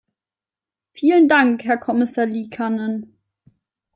Vielen Dank, Herr Kommissar Liikanen!